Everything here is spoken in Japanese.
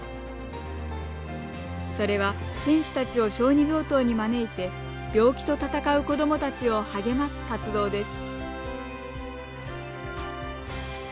それは選手たちを小児病棟に招いて病気と闘う子どもたちを励ます活動です。